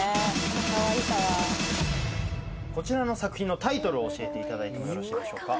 こちらの作品のタイトルを教えていただいてもよろしいでしょうか？